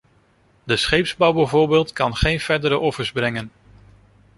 De scheepsbouw, bijvoorbeeld, kan geen verdere offers brengen.